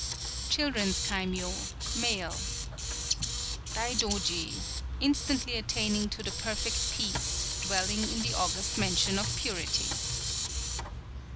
_ [CHILDREN'S KAIMYŌ. MALE.] _Dai Dōji, Instantly Attaining to the Perfect Peace, dwelling in the August Mansion of Purity.